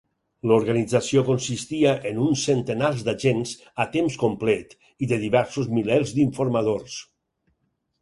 L'organització consistia en uns centenars d'agents a temps complet i de diversos milers d'informadors.